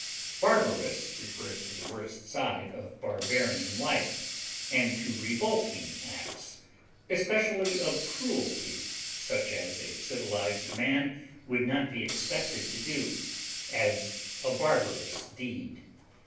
Barbarous refers to the worst side of barbarian life, and to revolting acts, especially of cruelty, such as a civilized man would not be expected to do; as, a barbarous deed.